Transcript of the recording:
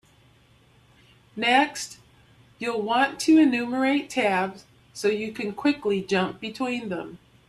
Next, you'll want to enumerate tabs so you can quickly jump between them.